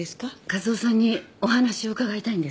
和夫さんにお話を伺いたいんです。